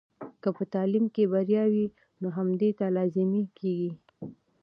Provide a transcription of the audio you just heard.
که په تعلیم کې بریا وي، نو همدې ته لازمي کیږي.